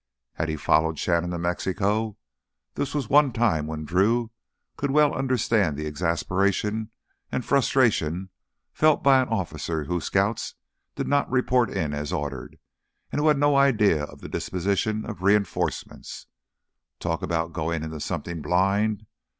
Had he followed Shannon to Mexico? This was one time when Drew could well understand the exasperation and frustration felt by an officer whose scouts did not report in as ordered and who had no idea of the disposition of reinforcements. Talk about going into something blind!